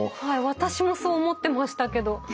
私もそう思ってましたけど。